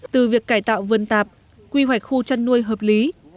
từ việc cải tạo vườn tạp quy hoạch khu chăn nuôi hợp lý